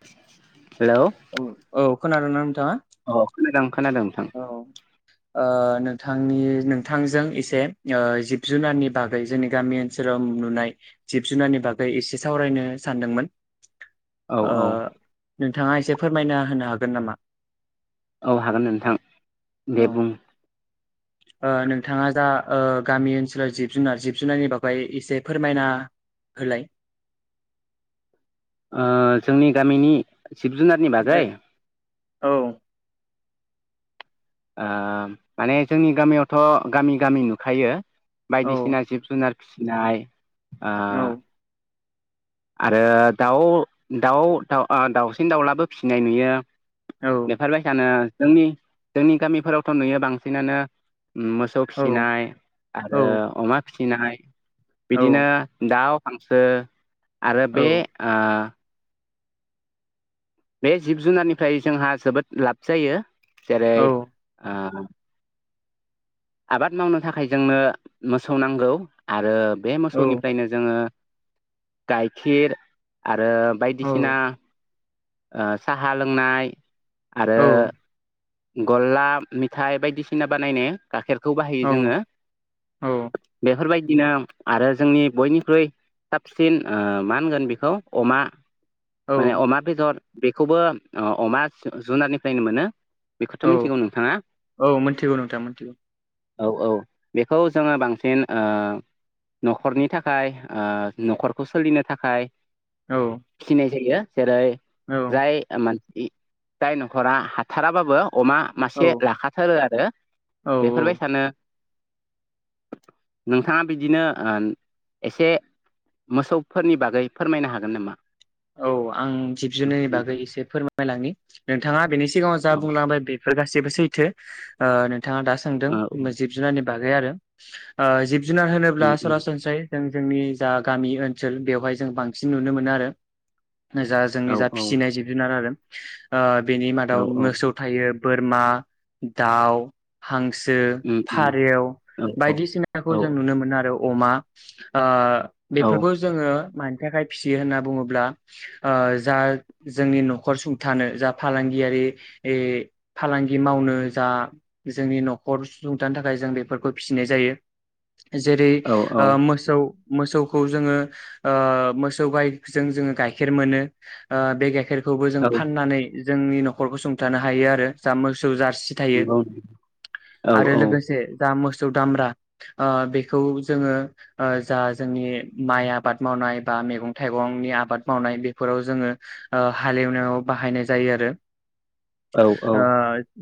[inaudible] Hello. औ औ खोनादोंना अ खोनादों खोनादों नोंथां औ ओ नोंथांनि नोंथांजों एसे ओ जिब-जुनारनि बागै जोंनि गामि ओनसोलाव नुनाय जिब जुनारनि बागै एसे सावरायनो सानदोंमोन औ आ औ नोंथाङा एसे फोरमायना होनो हागोन नामा? औ हागोन नोंथां बे औ बुं ओ नोंथाङा दा ओ गामि ओनसोलाव जिब-जुनार जिब-जुनारनि बागै एसे फोरमायना होलाय ओ जोंनि गामिनि जिब जुनारनि बागै औ ओ माने जोंनि गामियावथ' गामि गामि नुखायो। औ बायदिसिना जिब-जुनार फिसिनाय ओ औ आरो दाउ दाउ ओ दाउसिन दाउलाबो फिसिनाय नुयो औ बेफोरबायसानो जोंनि जोंनि गामिफोरावथ नुयो बांसिनानो मोसौ औ फिसिनाय औ आरो अमा फिसिनाय औ बिदिनो दाउ हांसो आरो बे ओ बे जिब जुनारनिफ्राय जोंहा जोबोद लाब जायो जेरै औ आ आबाद मावनो थाखाय जोंनो मोसौ नांगौ आरो बे औ मोसौनिफ्रायनो जोङो गायखिर आ रो औ बायदिसिना ओ साहा लोंनाय आरो गलला मिथाय बायदिसिना बानायनो गाइखेरखौ बाहायो औ जोङो औ बेफोरबायदिनो आरो जोंनि बयनिख्रुइ साबसिन ओ मा होनगोन बेखौ अमा माने औ अमा बेदर बेखौबो अमा जुनारनिफ्रायनो मोनो बेखौथ' औ मिथिगौ नोंथाङा औ मिथिगौ नोंथां मिथिगौ औ औ बेखौ जोङो बांसिन ओ नखरनि थाखाय नखरखौ सोलिनो थाखाय औ फिसिनाय जायो जेरै औ जाय मानसि जाय नखरा हाथाराबाबो अमा औ मासे लाखाथारो आरो औ बेफोरबायसानो नोंथाङा बिदिनो ओम एसे मोसौफोरनि बागै फोरमायनो हागोन नामा? औ आं जिब जुनारनि बागै एसे फोरमायलांनि- नोंथाङा बेनि सिगाङाव जा औ बुंलांबाय बेफोर गास जेबो सैथो थाङा दा सोंदों औ जिब जुनारनि- बागै आरो ओ जिब जुनार होनोब्ला उम उम सरा सनस्रायै जों जोंनि जा गामि ओनसोल बेवहाय जों बांसिन नुनो मोनो आरो जा जोंनि औ जा औ फिसिनाय जिब जुनार आरो आ बेनि औ मादाव औ मोसौ थायो बोरमा, दाउ, हां सो, उम उम फारेव औ औ बायदिसिनाखौ औ जों नुनो मोनो आरो। अमा आ बेफोरखौ जोङो मानि थाखाय फिसियो होनना बुङोब्ला ब्ला ओ जा जोंनि न'खर सुंथानो जा फालांगियारि फालांगि मावनो जा जोंनि न'खर सुंथानो थाखाय जों बेफोरखौ फिसिनाय जायो जेरै औ ओ मोसौ मोसौखौ जोङो ओ मोसौ गाय जों जोङो गाइखेर मोनो ओ बे गाइखेर खौबो जों औ फाननानै जोंनि न'खरखौ सुंथानो हायो आरो जा मोस - जारसि थायो नंगौ औ आरो लोगोसे जा मोस सौ दामब्रा ओ बेखौ जोङो ओ जा जोंनि माइ आबाद मावनाय बा मेगं थाइगं गंनि आबाद मावनाय बेफोराव जोङो ओ हालएवनायाव बाहायनाय जायो आरो। औ औ ओ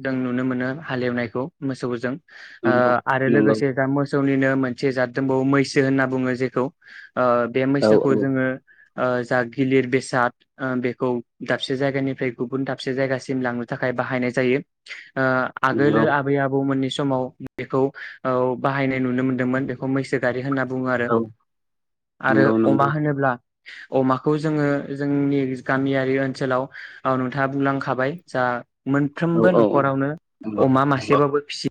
दों नुनो मोनो हालएवनायखौ मोसौजों ओ नंगौ आरो नंगौ लोगोसे दा मोसौ सौनिनो मोनसे जाद दोंबावो मैसो होनना बुङो जेखौ ओ बे औ मैसोखौ औ जोङो ओ जा गिलिर बेसाद ओ बेखौ दाबसे जायगानिफ्राय गुबुन दाबसे जायगासिम लांनो थाखाय बाहायनाय जायो। ओ आगोलो नंगौ आबै आबौमोननि स माव बेखौ बाहायनाय नुनो मोनदोंमोन बेखौ मैसो गारि होनना बुङो आरो औ आरो नंगौ नंगौ अमा होनोब्ला अमाखौ जोङो जोंनि गामियारि ओनसोलाव ओ नोंथाङा बुंलांखाबाय जा औ मोनफ्रोमबो औ औ न'खरावनो नंगौ अमा मासेबाबो फिसि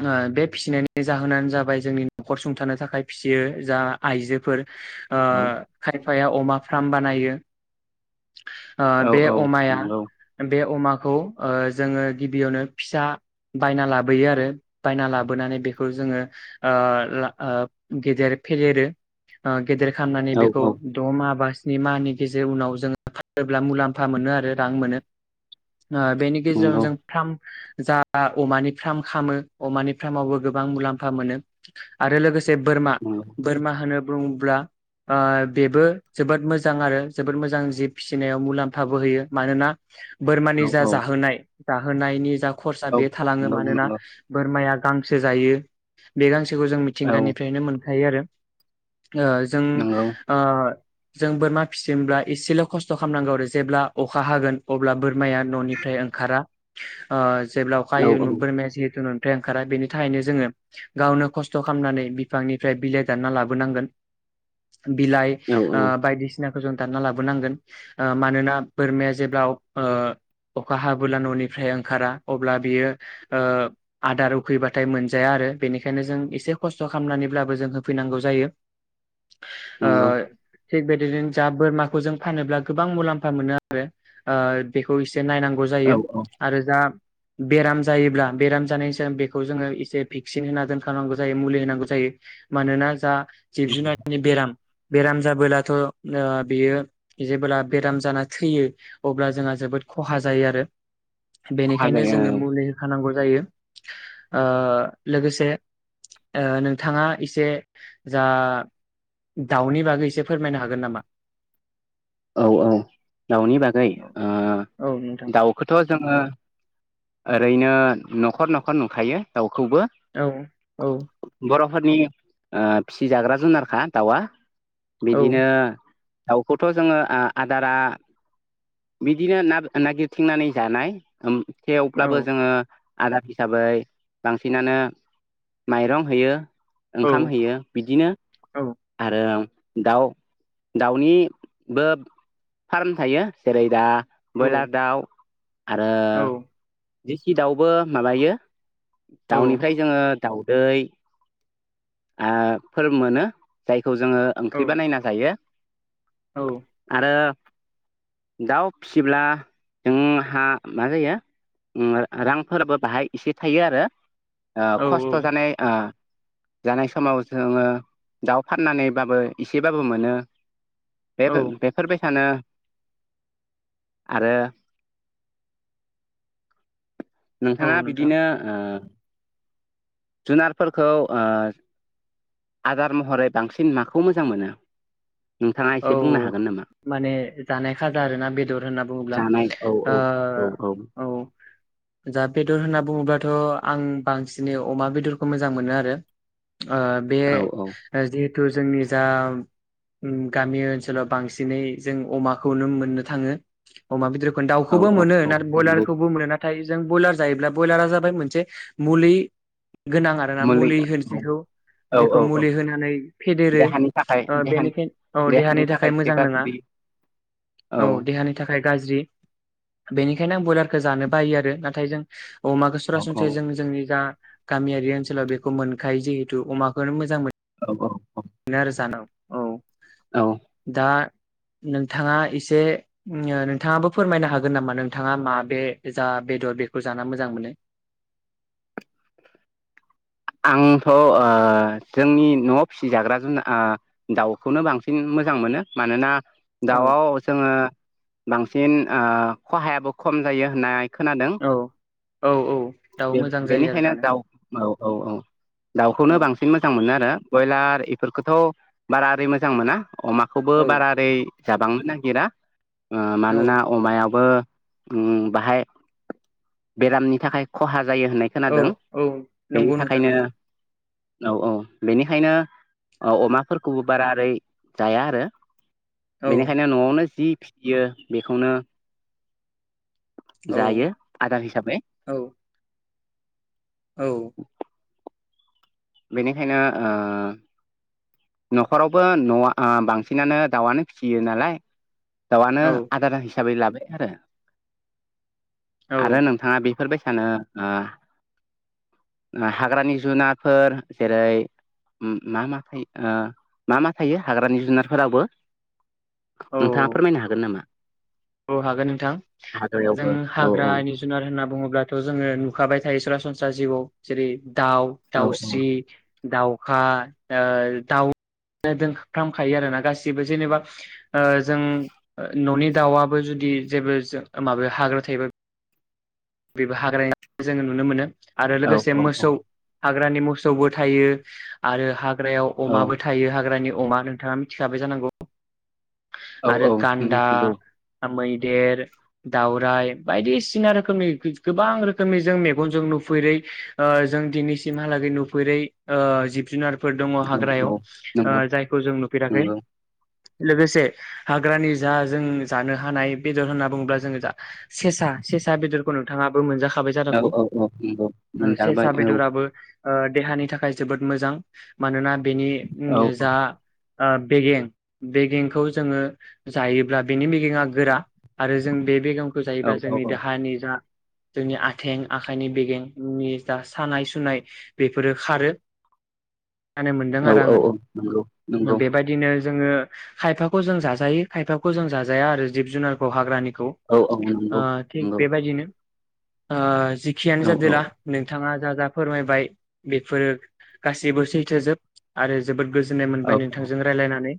ओ बे फिसिनायनि जाहोनानो जाबाय जोंनि न'खर सुंथानो थाखाय फिसियो जा आइजोफोर ओ औ खाय फाया अमा फ्राम बानायो। ओ बे औ अमाया नंगौ बे अमाखौ जोङो ओ गिबियावनो फिसा बायना लाबोयो आरो बायना लाबोनानै बेखौ जोङो ओ गेदेर फदेरो। गेदेर खालामनानै औ बेखौ औ दमा बा सनि मानि गेजेर उनाव जोङो फानोब्ला मुलाम्फा मोनो आरो रां मोनो ओ बेनि गेजेराव नंगौ जों थाम जा अमानि फार्म खामो अमानि फारामावबो गोबां मुलाम्फा मोनो आरो लोगो से बोरमा नंगौ बोरमा होनो बुङोब्ला ओ बेबो जोबोद मोजां आरो जोबोद मोजां जिब फिसिनायाव मुलाम्फाबो होयो मानोना बोरमानि औ जा जाहोनाय जाहोनायनि जा खरसा औ बे थालाङो नंगौ मानोना नंगौ माया गांसो जायो बे गांसो खौ जों औ मिथिंगानिफ्रायनो मोन हायो आरो ओ जों नंगौ ओ जों बोरमा फिसिनब्ला एसेल खस्थ खालामनांगौ आरो जेब्ला अखा हागोन अब्ला बोरमाया ननिफ्राय ओंखारा ओ जेब्ला अखा औ हायो बोर जे [unintelligible] ओंखारा बेनि थाखायनो जोङो गावनो खस्थ खालामनानै बिफांनिफ्राय बिलाइ दानना लाबोनांगोन। बिलाइ औ ओ बायदिसिना खौ जों दानना लाबोनांगोन ओ मानोना बोरमाया जेब्ला ओ अखा हाबोला ननिफ्राय ओंखारा अब्ला बियो ओ आदार उखैबाथाय मोनजाया आरो बेनिखायनो जों एसे खस्थ खालामनानैब्लाबो जों होफैनांगौ जायो। ओ नंगौ थिग बेदिनो जा बोरमाखौ जों फानोब्ला गोबां मुलाम्फा मोनो आरो ओ बेखौ एसे से नायनांगौ औ जायो औ आरो जा बेराम जायोब्ला बेराम जानाय बेखौ जोङो एसे भेक्सिन होना दोनखनांगौ जायो मुलि होनांगौ जायो मानोना जा जिब-जुनारनि बेराम बेराम जाबोलाथ ओ बेयो जेबोब्ला बेराम जाना थैयो अब्ला जोंहा जोबोद खहा जायो आरो। खहा बेनिखायनो जायो जोङो मुलि होखानांगौ। जायो। ओ लोगोसे ओ नोंथाङा एसे जा दाउनि बागै एसे फोरमायनो हागोन नामा? औ औ दाउनि बागै ओ औ नोंथां दाउखौथ जोङो ओरैनो न'खर न'खर नुखायो दाउ औ औ। फोरनि फिसिजाग्रा जुनारखा दाउआ। औ बिदिनो। दावखौथ थ जोङो ओ आदारा बिदिनो न-नागिर थिंनानै जानाय ओम थेवब्लाबो जोङो। आदार हिसाबै बांसिनानो माइरं होयो। औ ओंखाम होयो बिदिनो औ आरो। दाउ दाउनि बो फार्म थायो जेरै दा औ ब्रयलार दाउ आरो औ देसि दाउबो माबायो औ दाउनिफ्राय जोङो दाउदै ओ फोर मोनो जाय खौ जोङो औ ओंख्रि बानायना जायो । औ आरो दाउ फिसिब्ला जोंहा मा जायो ओ रांफोराबो बाहाय एसे थायो आरो आ औ खस्थ जानाय आ जानाय समाव जोङो दाउ फाननानैबाबो एसेबाबो मोनो औ बे-बेफोरबाय सानो आरो औ नोंथाङा नोंथां बिदिनो ओ जुनारफोरखौ आ आदार महरै बांसिन माखौ मोजां मोनो नोंथाङा औ एसे बुंनो हागोन नामा माने जानाय खाजा आरोोना बेदर होनना बुङोब्ला जानाय औ ओ औ औ । दा बेदर होनना बुङोब्लाथ आं बांसिनै अमा बेदरखौ मोजां मोनोआरो । ओ बे औ जि तु जोंनि जा ओम गामि ओनसोलाव बांसिनै जों अमाखौनो मोननो थाङो अमा बेदर औ दाउखौबो औ मोनो औ ना ब्रयलार नंगौ खौबो मोनो ना नाथाय जों ब्रयलार जायोब्ला ब्रयलारा जाबाय मोनसे मुलि गोनां आरोना मुलि होनसैखौ औ औ जेखौ औ औ मुलि होनानै फेदेरो देहानि थाखाय ओ देहानि बेनिखाय औ देहानि थाखाय मोजां नङा औ देहानि थाखाय गाज्रि बे बेनिखायनो आं ब्रयलारखौ जानो बायो आरो नाथाय जों अमाखौ औ सरासनस्राय जों जोंनि जा गामियारि ओनसोलाव बेखौ मोनखायो जिहेतु अमाखौनो मोजां मोन औ औ । मोनो आरो जानो औ औ । दा नोंथाङा एसे नोंथाङाबो फोरमायनो हागोन नामा नोंथाङा मा बे जा बेदर बेखौ जा मोजां मोनो? आंथ' जोंनि नआव फिसिजाग्रा जुना अ दाउखौनो बांसिन मोजां मोनो मानोना औ दाउआव जोङो बां सिन ओ खहायाबो खम जायो होनना खोनादों औ औ औ दाउ बे मोजां जायो आरो बेनिखायनो जानो दाउ औ औ औ दाउखौनो औ बांसिन मोजां मोनो आरो ब्रयलार इफोरखौथ' बारा ओरै मोजां मोना अमाखौबो औ बारा ओरै जाबांनो नागिरा ओ औ मानोना अमायावबो उम बाहाय बेरामनि थाखाय खहा जायो होननाय औ खोनादों औ बेनि नंगौ नोंथां थाखायनो नंगौ औ औ बेनिखायनो औ अमाफोरखौबो बारा ओरै जाया आरो औ बेनिखायनो न'आवनो जि फियो बेखौनो औ जायो आदार हिसाबै औ औ । बेनिखायनो ओ न'खरावबो न'आ आ बांसिनानो दा़उखौनो फिसियो नालाय दाउआनो औ आदार हिसाबै लाबाय आरो औ आरो नोंथांङा बे बेफोर बायसानो ओ हाग्रानि जुनारफोर जेरै मा मा ओ मा मा थायो हाग्रानि जुनारफोरावबो? नोंथांङा औ फोरमायनो हागोन नामा? औ हागोन नोंथां जों हाग्रायावबो औ औ हाग्रानि जुनार होनना बुङोब्लाथ' जोंङो नुखाबाय थायो सरासनस्रा जिउआव जेरै दाउ औ दाउस्रि दाउखा ओ दाउ दोंफ्रामखायो आरो ना गासिबो जेनेबा ओ जों ननि दाउआ बो जुदि जेबो माबायाव हाग्रा थायोबा बेबो हाग्रा जोङो नुनो मोनो आरो औ लोगोसे मोसौ हाग्रानि मोसौबो थायो आरो हा ग्रायाव औ अमाबो थायो हाग्रानि अमा नोंथाङा मिथिखाबाय जानांगौ। औ आरो औ गान्दा मिथिगौ मै देर दावराइ बायदिसिना रोखोमनि गोबां रोखोमनि जों मेगनजों नुफेरै ओ जों दिनैसिमहालागै नुफेरै ओ जिब जुनार। फोर दङ औ हाग्रायाव औ ओ नंगौ जायखौ जों नुफेराखै नंगौ लोगोसे हाग्रानि जा जों जानो हानाय बेदर होनना बुङोब्ला जोङो जा सेसा सेसा बेदरखौ नोंथाङाबो मोनजाखा औ औ औ नंगौ मोन्दांबाय सेसा औ। बेदराबो ओ देहानि थाखाय जोबोद मोजां मानोना बेनि उम औ जा ओ बेगें बेगेंखौ जोङो जायोब्ला बेनि बेेगेेङा गोरा आरो जों बे बेगेंखौ औ जायोबब्ला जोंनि देहानि जा जोंनि आथें आखाइनि बेगेंनि जा सानाय सुनाय बेफोरो खारो। होननानै मोनदों औ आरो औ औ आङो नंगौ नंगौ। बेबायदिनो जोङो खायफाखौ जों जाजायो खायफाखौ जों जाजाया आरो जिब जुनारखौ हाग्रानि खौ औ औ ओ नंगौ थिग नंगौ बेबायदिनो ओह जिखियानो औ जादोला नोंथाङा जा जा फोरमायबाय बेफोरो गासैबो सैथोजोब आरो जोबोद गोज जोननाय औ मोनबाय नोंथांजों रायलायनानै।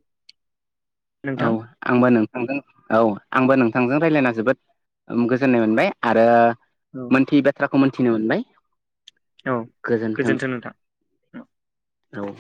औ नोंथां आंबो नोंथांजों औ आंबो नोंथांजों रायलायना जोबोद ओम गोजोननाय मोनबाय आरो औ मोनथियै बाथ्राखौ मोनथिनो मोनबाय औ गोजोन्थों औ।